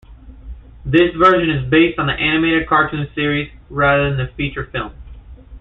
This version is based on the animated cartoon series rather than the feature film.